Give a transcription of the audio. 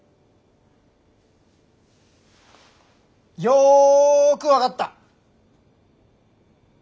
よく分かった。